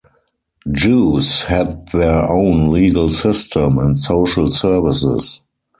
Jews had their own legal system and social services.